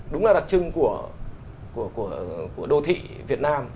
đúng là đặc trưng của đô thị việt nam